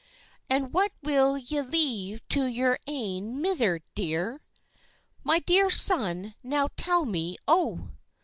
And what will ye leave to your ain mither dear, My dear son, now tell me, O?"